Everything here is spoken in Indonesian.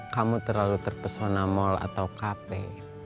kamu terlalu terpesona mall atau kape